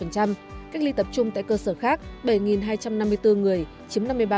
cách ly tập trung tại cơ sở khác bảy hai trăm năm mươi bốn người chiếm năm mươi ba